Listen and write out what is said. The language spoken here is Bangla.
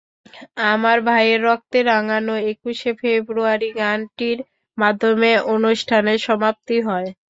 আমার ভাইয়ের রক্তে রাঙানো একুশে ফেব্রুয়ারি গানটির মাধ্যমে অনুষ্ঠানের সমাপ্তি হয়।